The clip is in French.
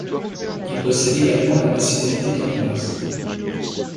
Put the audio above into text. Il possède également la nationalité danoise.